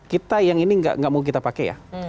kita yang ini nggak mau kita pakai ya